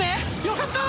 よかった！